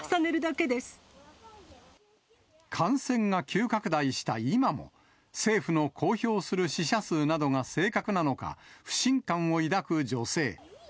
感染が急拡大した今も、政府の公表する死者数などが正確なのか、不信感を抱く女性。